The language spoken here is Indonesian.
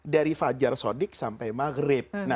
dari fajar sodik sampai maghrib